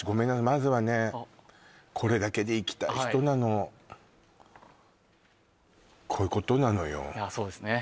まずはねあっこれだけでいきたい人なのはいこういうことなのよいやそうですね